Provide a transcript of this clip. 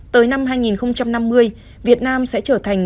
tới năm hai nghìn năm mươi việt nam sẽ trở thành